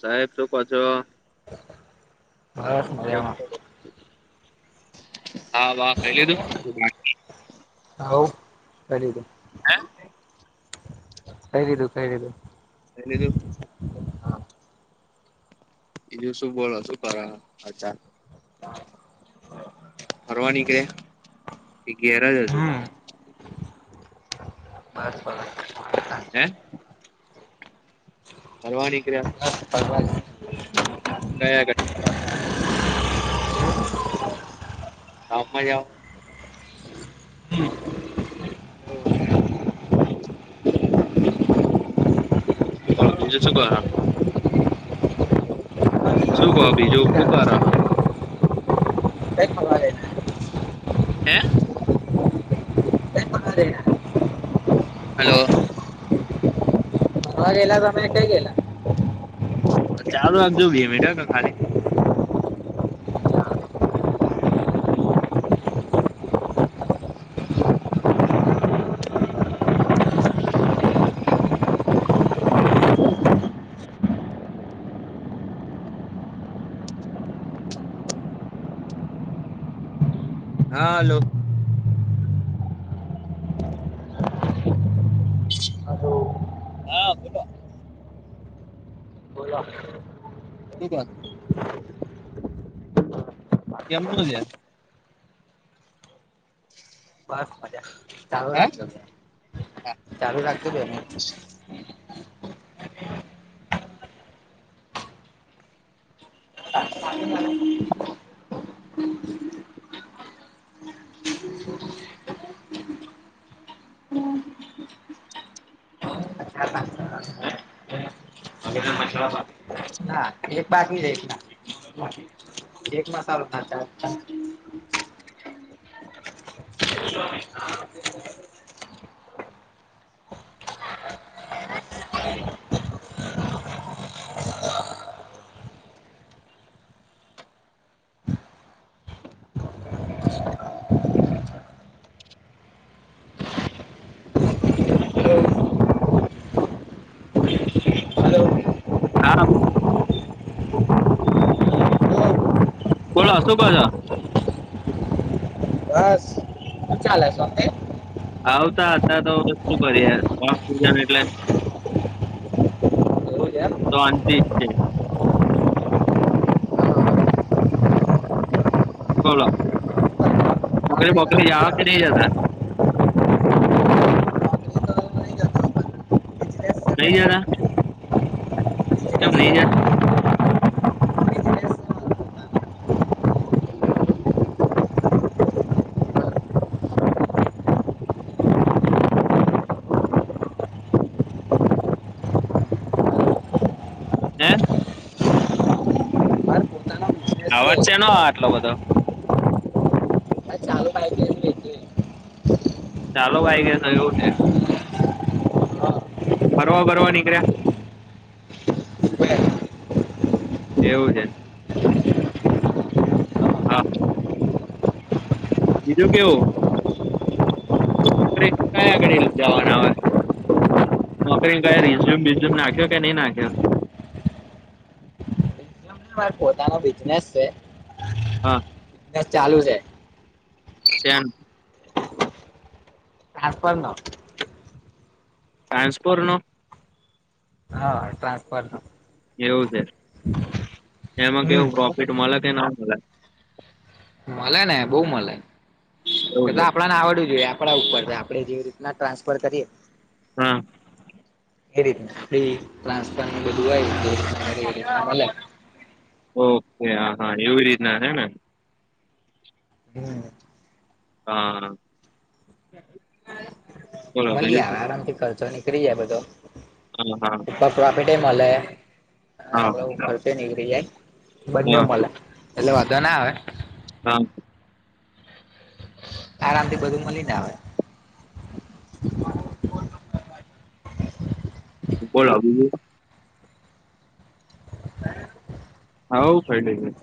સાહેબ તુ પાછો. બસ મજામાં. હા વા ખાય લીધું? બાકી. તા ઓ કરી દે. હે. ખાય લીધું ખાય લીઘું. [unintelligible] બીજુ શું બોલો શું કરા. ફરવા નીકળ્યા એ ઘેર જ હજુતો. હમ [unintelligible] હે. ફરવા નીકળ્યા. [unintelligible] [unintelligible] ગામમાં જાઓ. એવું છે. બોલો બીજું શું કહો. શું કહો બીજું હુ કરો હો. [unintelligible] હે. હલો. ખાવા ગેલા તમે કંઈ ગેલા. ચાલુ રાખજો બે મિનિટ હા ખાલી. હાલો. હા. બોલો બોલો. [unintelligible] કેમ હુ લ્યા. [unintelligible] બસ મજા ચાલુ હે રાખજો ચાલુ રાખજ બે. [unintelligible] ના એક બાત હીં દેખ ના. [unintelligible] એક મસાલો થતા. હલો હા. બોલો શું કહો છો. બસ. શું ચાલે છે. આવતા હતા તો શું કરીએ એટલે. એવું શોંતી છે. બોલો છે એમ [unintelligible] જાવા કે નથી જતા. મારે પોતાનો બિઝનેસ છે નહી ગેલા. કેમ નહીં ગ્યા. હે. અવાજ શેનો આવે આટલો બધો. ચાલુ બાઈક છું એટલે. ચાલો બાઈકે તો એવું છે. હા. ફરવા બરવા નીકળ્યા. એવું છે. હા. બીજું કેવું. કયા ઘડી જવાના આવે. નોકરીને કઈ રિઝ્યુમ બિઝ્યુમ નાખ્યો કે નહીં નાખ્યો. નહિ મારે પોતાનો બિઝનેસ છે. હા બસ ચાલુ છે. શેન ઘાસ પર નો ટ્રાન્સફરનો હા ટ્રાસફરર એવું છે એમાં હમ કેવું પ્રોફિટ મળે કે ના મળે મળે ને બહુ મળે ને એ એવું તો છે આપડ ને આવડવું જોઈએ. આપડા ઉપર આપણે જેવી રીતના ટ્રાન્સફર કરીએ હમ્મ એે એ ટ્રાન્સપ બધુવા ઓકે હ હા એવી રીતના હે હમ્મ હા હ મળી આરામ થી ખર્ચો નીકળી જાય બધો હમ્મ ઉપર પ્રોફિટ મળે અને આપડો ખર્ચો નીકળી જાય બંને હા મળે એટલે વધો ના આવે હા આરામથી બધું મળી ના આવેય બોલો બીજુ હ હવ ક લ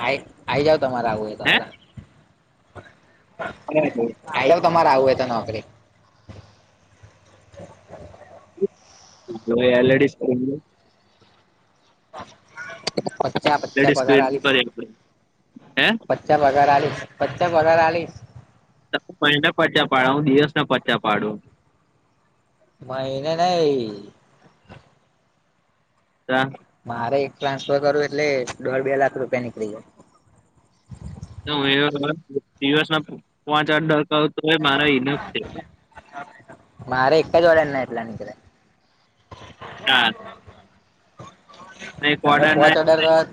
આ આઈ જાવ તમારે આવું હોય તો હે હ આ તમારે આવું હોય તો નોકરી એલડી કર પચા પચા લેડીસ પગાર ક્રેડિટ આલિસ કરી આપડે હે પચ્યા પગાર આલિસ પચ્ચા પગાર આલિસ ને પચા પાડ હુ, દિવસ ના પચા પાડુ મા એને ન ત મારે એક ટ્રાન્સફર કરવું એટલે દોઢ બે લાખ રૂપિયા નીકળી જાય. હ દિવસ ના પાંચ આઠ દકા આવતોય મારા હ છે. મારે એક જોડાેના એટલાને કે હા એક તમે ઓર્ડર પોહોચ ના અડાર વાત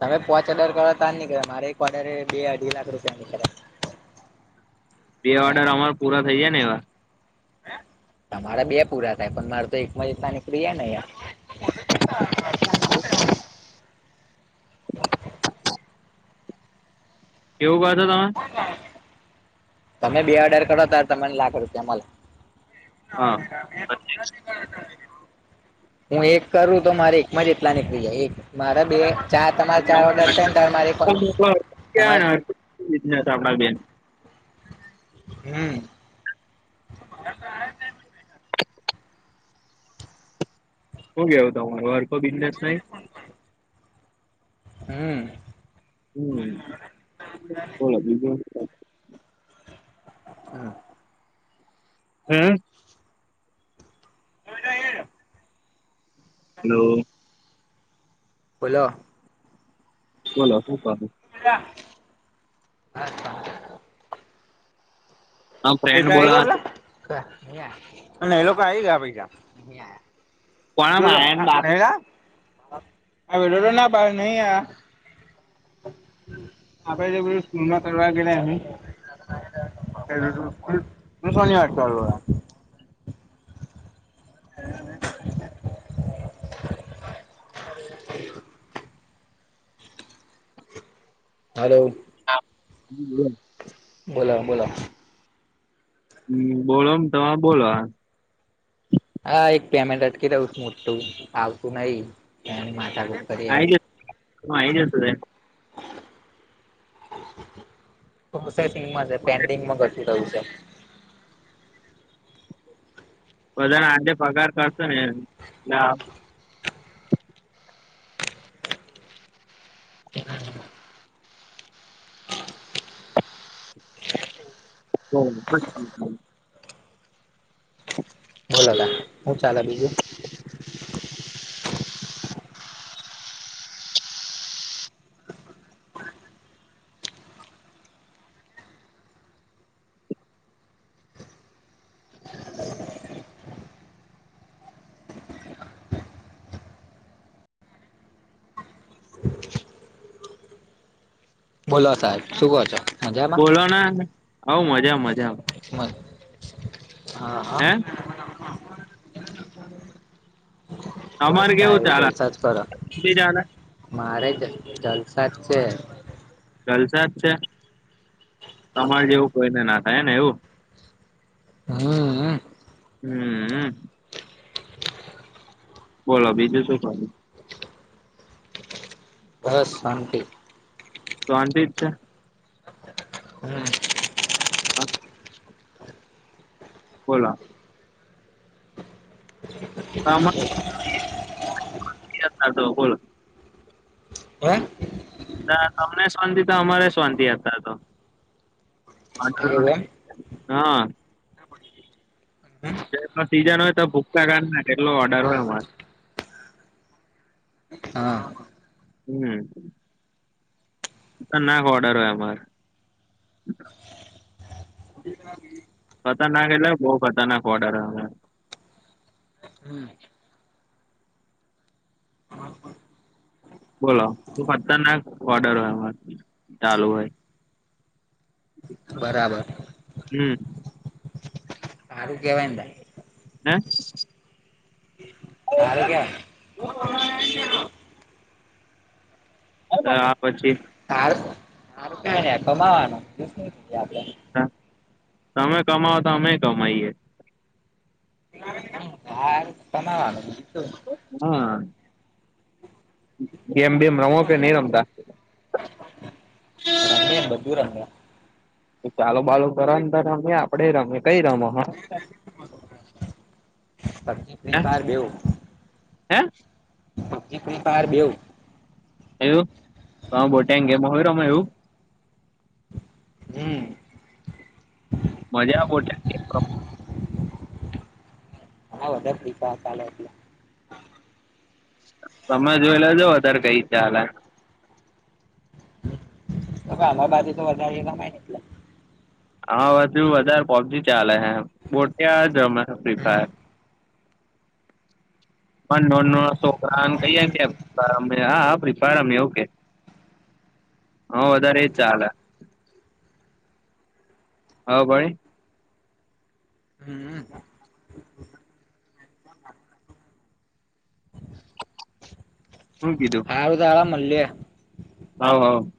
તમે પોચ હજાર કરવા તારજ નીકળે્યા મારે એકરે બે અઢી લાખ રૂપિયા નીકળે બે ઓર્ડર અમારો પૂરા થઈ જાય ને એવા તમારા બે પૂરા થાય પણ મારે તો એકમાં જતા નીકળી જને અ કેવું ક છો તમે તમે બે ઓડર કરો તાર તને લાખ રૂપિયા મળ લ હા [unintelligible] હું એક કરું તો મારે એકમાં જ એટલા નીકળી જાય એક મારે બે ચા તમારે ચાર ઓર્ડર થઈ ને ત મારી કોલે તમારે બજને આપ બેન હમ્મ હું ગેવતા હું ઔર કો બિઝનેસ નહી. હમ્મ. હમ્મ બોલો બીજું? હા. હમ્મ. અલા એ હલો. બોલો. બોલો હું કહું? [unintelligible] આમ ફ્રેન્ડ પૈસા આ ગયા આપલા બોલાવા અને એ લોકો આ ગયા પૈસા. નહીં આ કોણ આયન બાપ આ જો જો ને બાહર નહીં આયા. આપડે જે બધું સ્કૂલ માં કરવા ગયેલા નહીં એલુ ગુ પેલું અહ શનિવાર ચાલુ હૈ. [unintelligible] હલો. હા હમ્મ બોલો. બોલા બોલા. હમ્મ બોલો ને તમે બોલા. હા એક પેમેન્ટ અટકી દઉંશ મોું આવતું નહી એની માથા કૂટ. આઈ જશ હુ આઈ જશે રે. પ્રોસેસિંગમાં છે પેન્ડિંગમાં ઘ છે કયું છે. બધા ને આજે પગાર કરશે ને ના તેના [unintelligible] બોલો હલા હું ચાલે બીજું? [unintelligible] બોલો સાહેબ શું કો છો? મજામાં બોલો ને હઉ મજા મજા. મ હે બસ તમારે તા કેવું એ ચાલે જલસા જ કરો તી ચાલે. મારે જ જલસા જ છે. જલસા જ છે. તમારે જેવું કોઈને ના થાય ને એવું. હમ્મ હમ્મ. હમ બોલો બીજું શું કો બસ શાંતિ. શાંતિ જ છે. હમ્મ. હા. બોલા. શામાં [unintelligible] ઓ હૈ. ત્યાં તમને શાંતિ તો અમારે શાંતિ અત્યારે તો. હે એવું એમ [unintelligible] હા. તે એટ સીઝન હોય તો ભૂક્કા ગાડ ના કેટલો ઓર્ડર હોય અમારે. હા. હમ્મ નાક ઓર્ડર હોય અમારે ખતરનાક એટલે બહુ ખતરનાક ઓર્ડર. હમ્મ બોલો ખતરનાક ઓર્ડર હોય ચાલુ હોય. [inaudible] બરાબર હમ હારું કેહેવાય ન ભાઈ. સારું કેવાય હે આ પછી તાર અરે કમાવાનું આપડે હા તમે કમાઓ તો અમે કમાઈએ. કમાવાનુ હા ગમ બેેમ રમો કે નહી રમતા? બધું રમ્યે. ચાલો બાલો કરન તો રમીયે આપડે રમીએ કઈ રમો હા? હે વેપાર બેઉ હે ફ્રી ફાયર બેઉ એવું બહુ ટાઈમ ગમે રમે એવું મજા [unintelligible] [unintelligible] તમે જોઈ લજો વધારે કઈ ચાલે. તો આમા બાજુ તો વધારે એ એટલે હા હુ હારે પોબજી ચાલે છે બોટિયા જ રમે ફ્રી ફાયર. [inaudible] નો નો છોકરા કઈએ કે ફ્રી ફાયર રમીએ હા હા ફ્રી ફાયર રમીએ ઓકે. હા વધારે એ ચાલે. હા ભહી હમ [unintelligible] હું કીધું? આવદાળ મલીએ. હ હ